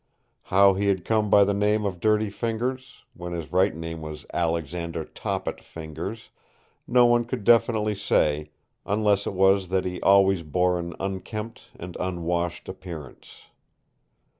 How he had come by the name of Dirty Fingers, when his right name was Alexander Toppet Fingers, no one could definitely say, unless it was that he always bore an unkempt and unwashed appearance.